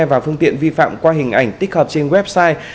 và phương tiện vi phạm qua hình ảnh tích hợp trên website